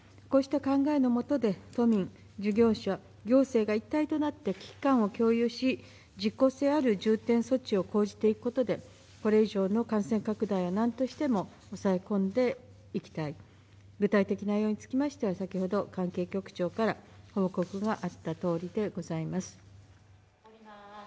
こうした考えのもとで、都民、事業者が一体どてって危機感を共有し、実効性ある重点措置を講じていくことでこれ以上の感染拡大をなんとしても抑え込んでいきたい具体的な内容に関しては関係局長から報告があったとおりでございます。